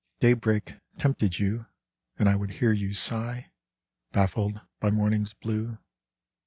Daybreak tempted you, And I would hear you sigh, Baffled by morning's blue.